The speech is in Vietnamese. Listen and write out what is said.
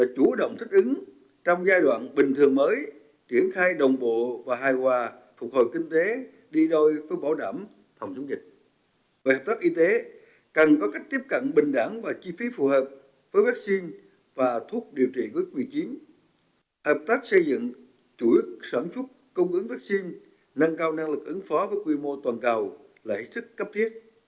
chủ yếu sản xuất công ứng vaccine nâng cao năng lực ứng phó với quy mô toàn cầu là hệ thức cấp thiết